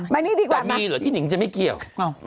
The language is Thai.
มานี่ดีกว่ามาแต่มีเหรออินิงจะไม่เกี่ยว